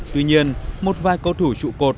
tuy nhiên một vài cầu thủ trụ cột